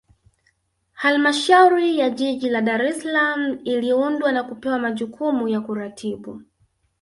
Halmashauri ya Jiji la Dar es Salaam iliundwa na kupewa majukumu ya kuratibu